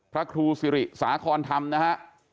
พระครูสิริสาคอนธรรมนะฮะ